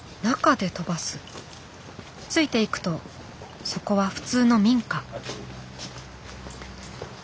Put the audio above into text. ついていくとそこは普通の民家。